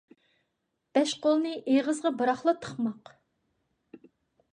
بەش قولنى ئېغىزغا بىراقلا تىقماق